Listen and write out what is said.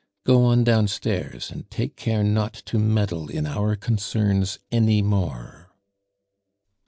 Go on downstairs, and take care not to meddle in our concerns any more."